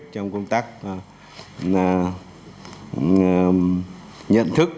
trong công tác nhận thức